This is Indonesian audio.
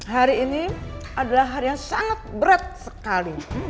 hari ini adalah hari yang sangat berat sekali